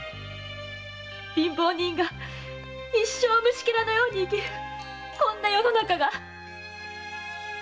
貧乏人が一生虫ケラのように生きるこんな世の中が！